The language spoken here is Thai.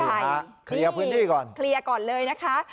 เคลียร์พื้นที่ก่อนเคลียร์ก่อนเลยนะคะ